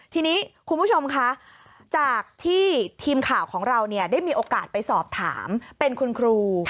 ทีนี้คุณผู้ชมคะจากที่ทีมข่าวของเราได้มีโอกาสไปสอบถามเป็นคุณครู